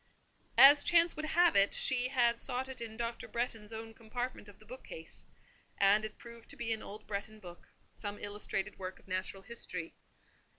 As chance would have it, she had sought it in Dr. Bretton's own compartment of the bookcase; and it proved to be an old Bretton book—some illustrated work of natural history.